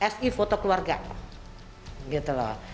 fi foto keluarganya gitu loh